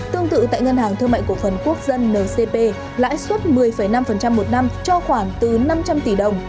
tương tự tại ngân hàng thương mại cổ phần quốc dân ncp lãi suất một mươi năm một năm cho khoảng từ năm trăm linh tỷ đồng